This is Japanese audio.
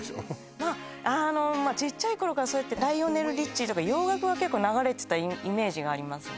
まああのまあちっちゃい頃からそうやってライオネル・リッチーとか洋楽が結構流れてたイメージがありますね